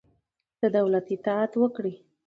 د دولت اطاعت وکړئ.